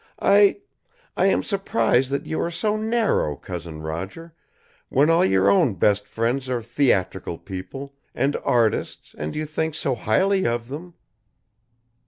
I I am surprised that you are so narrow, Cousin Roger, when all your own best friends are theatrical people and artists and you think so highly of them."